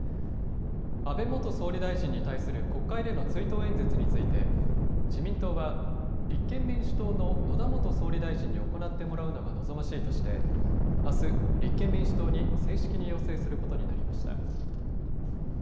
安倍元総理大臣に対する国会での追悼演説について自民党は立憲民主党の野田元総理大臣に行ってもらうのが望ましいとしてあす、立憲民主党に正式に要請することになりました。